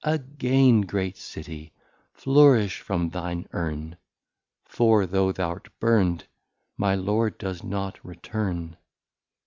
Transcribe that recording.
Again great City flourish from thine Urne: For though thou'rt burn'd, my Lord does not return.